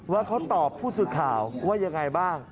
ว่าเขาตอบผู้สื่อข่าวว่ายังไงบ้าง